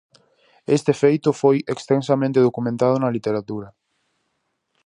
Este feito foi extensamente documentado na literatura.